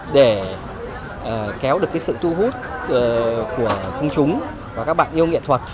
để kéo được cái sự thu hút của công chúng và các bạn yêu nghệ thuật